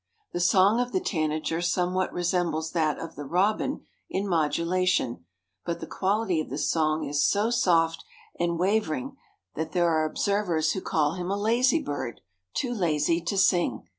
The song of the tanager somewhat resembles that of the robin in modulation; but the quality of the song is so soft and wavering that there are observers who call him a lazy bird, too lazy to sing.